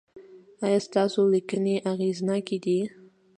ایا ستاسو لیکنې اغیزناکې دي؟